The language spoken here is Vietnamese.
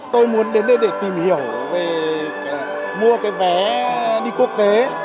tôi muốn đến đây tìm hiểu về mua vé đi quốc tế